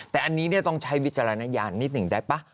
แต่อันนี้ต้องใช้วิจารณญาณนิดหนึ่งได้ป่ะ